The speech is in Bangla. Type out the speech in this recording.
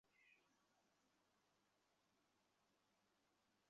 সেটার টোকেন তোর কাছে আছে তো?